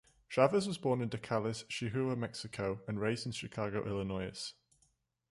Chavez was born in Delicias, Chihuahua, Mexico, and raised in Chicago, Illinois.